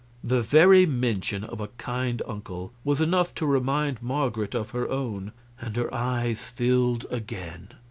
The very mention of a kind uncle was enough to remind Marget of her own, and her eyes filled again.